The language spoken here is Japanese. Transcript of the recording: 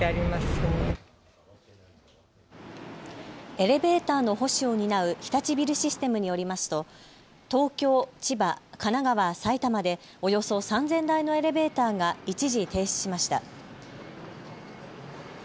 エレベーターの保守を担う日立ビルシステムによりますと東京、千葉、神奈川、埼玉でおよそ３０００台のエレベーターが一時停止しました。